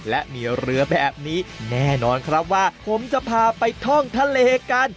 และมีเรือแบบนี้แน่นอนครับว่าผมจะพาไปท่องทะเลกัน